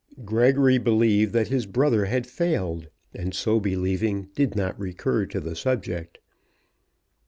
Gregory believed that his brother had failed, and so believing did not recur to the subject.